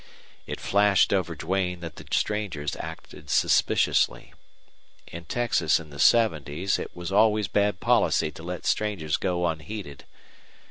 It flashed over Duane that the strangers acted suspiciously. In Texas in the seventies it was always bad policy to let strangers go unheeded.